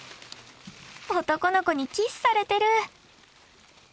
男の子にキスされてる！